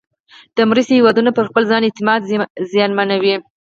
مرستې د هېوادونو پر خپل ځان اعتماد زیانمنوي.